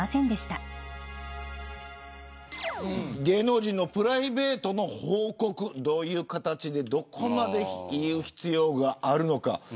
芸能人のプライベートの報告どういう形でどこまで言う必要があるのか。